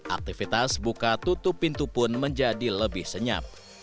aktivitas buka tutup pintu pun menjadi lebih senyap